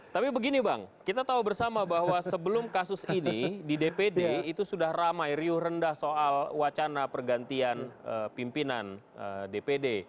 tapi begini bang kita tahu bersama bahwa sebelum kasus ini di dpd itu sudah ramai riuh rendah soal wacana pergantian pimpinan dpd